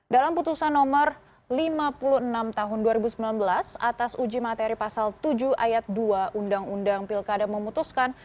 dalam putusan nomor lima puluh enam tahun dua ribu sembilan belas atas uji materi pasal tujuh ayat dua undang undang pilkada memutuskan